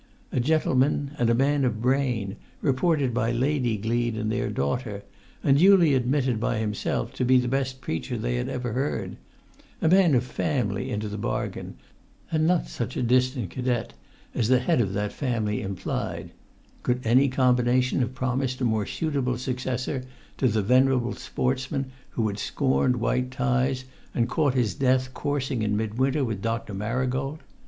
A gentleman and man of brain, reported by Lady Gleed and their daughter, and duly admitted by himself, to be the best preacher they had ever heard; a man of family into the bargain, and not such a distant cadet as the head of that family implied; could any combination have promised a more suitable successor to the venerable sportsman who had scorned white ties and caught his death coursing in mid winter with Dr. Marigold?